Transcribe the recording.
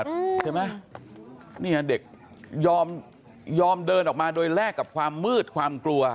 ใช่ไหมเนี่ยเด็กยอมยอมเดินออกมาโดยแลกกับความมืดความกลัว